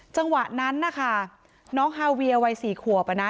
จังหวะนั้นนะคะน้องฮาเวียวัย๔ขวบอ่ะนะ